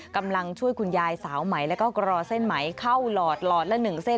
กำลังช่วยคุณยายสาวใหม่แล้วก็กรอเส้นไหมเข้าหลอดหลอดละ๑เส้น